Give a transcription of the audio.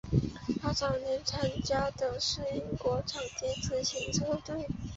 他早年参加的是英国场地自行车队。